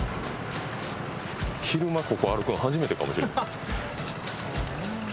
昼間ここ歩くの初めてかもしれん。